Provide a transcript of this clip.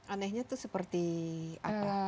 anehnya itu seperti apa